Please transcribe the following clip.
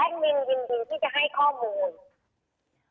มินยินดีที่จะให้ข้อมูล